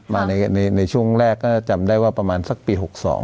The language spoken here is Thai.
มาในช่วงแรกก็จะจำได้ว่าประมาณสักปี๖๒